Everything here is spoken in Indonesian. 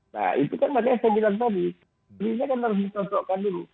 nah itu kan makanya saya bilang tadi ini kan harus dicontohkan dulu